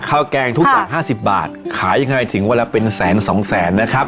ข้าวแกงทุกหลักห้าสิบบาทขายยังไงถึงเวลาเป็นแสนสองแสนนะครับ